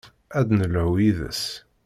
Ad d-nelhu yid-s.